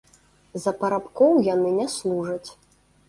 За парабкоў яны не служаць.